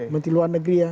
menti luar negeri ya